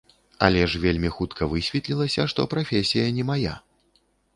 Але ж вельмі хутка высветлілася, што прафесія не мая.